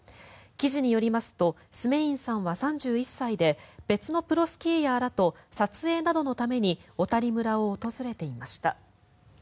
記事によりますとスメインさんは３１歳で別のプロスキーヤーらと撮影などのために小谷村を訪れていました。